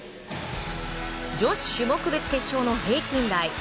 女子種目別決勝の平均台。